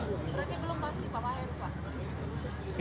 berarti belum pasti pak mahen pak